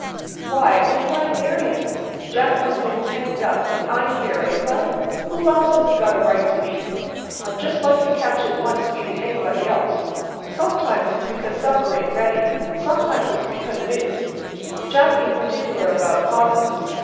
"Why, didn't I marry him? Jack comes in tanked up; and I'm here, ain't I? Who else has he got a right to beat? I'd just like to catch him once beating anybody else! Sometimes it's because supper ain't ready; and sometimes it's because it is. Jack ain't particular about causes.